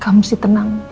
kamu harus tenang